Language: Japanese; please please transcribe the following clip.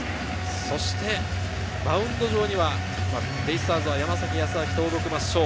そしてマウンド上にはベイスターズは山崎康晃、登録抹消。